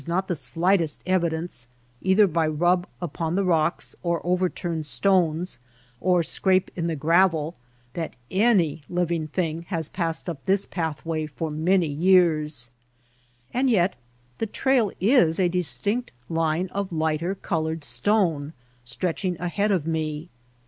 not the slightest evidence, either by rub upon the rocks, or overturned stones, or scrape in the gravel, that any living thing has passed up this pathway for many years ; and yet the trail is a distinct line of lighter colored stone stretch ing ahead of me.